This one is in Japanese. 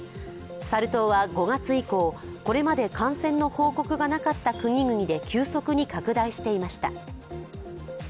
サル痘は５月以降、これまで感染の報告がなかった国々で急速に拡大していました。